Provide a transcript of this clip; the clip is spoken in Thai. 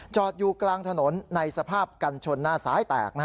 อยู่กลางถนนในสภาพกันชนหน้าซ้ายแตก